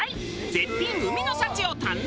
絶品海の幸を堪能！